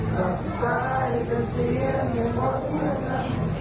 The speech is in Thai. กลับไปเป็นเสียงอย่างหมดเมื่อนั้น